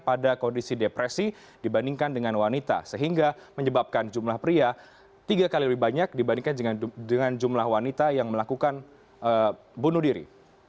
pada kondisi depresi dibandingkan dengan wanita sehingga menyebabkan jumlah pria tiga kali lebih banyak dibandingkan dengan jumlah wanita yang melakukan bunuh diri